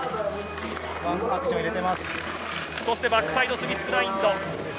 そしてバックサイドスミスグラインド。